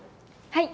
はい。